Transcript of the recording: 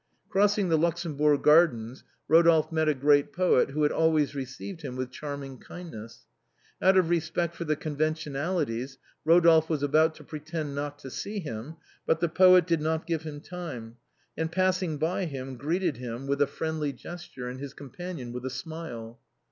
Crossing the Luxembourg gardens Eodolphe met a great poet who had always received him with charm ing kindness. Out of respect for the conventionalities Eodolphe was about to pretend not to see him ; but the poet MADEMOISELLE MIMI. 183 did not give him time, and passing by him greeted him with a friendly gesture, and his companion with a smile.